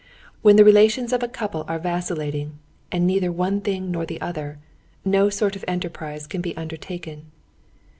When the relations of a couple are vacillating and neither one thing nor the other, no sort of enterprise can be undertaken.